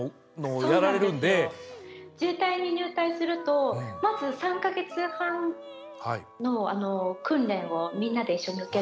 自衛隊に入隊するとまず３か月半の訓練をみんなで一緒に受けるんですけど。